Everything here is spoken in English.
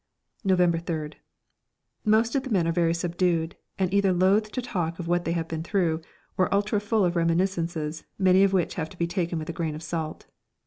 November 3rd. Most of the men are very subdued, and either loath to talk of what they have been through or ultra full of reminiscences, many of which have to be taken with a grain of salt.